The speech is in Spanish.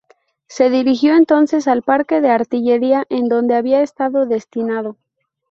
Se dirigió entonces al Parque de Artillería, en donde había estado destinado.